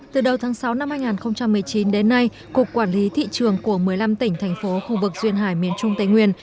từ đầu tháng sáu năm hai nghìn một mươi chín đến nay cục quản lý thị trường của một mươi năm tỉnh thành phố khu vực duyên hải miền trung tây nguyên